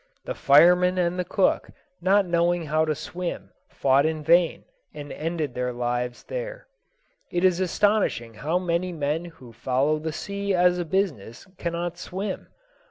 The fireman and the cook, not knowing how to swim, fought in vain, and ended their lives there. It is astonishing how many men who follow the sea as a business cannot swim.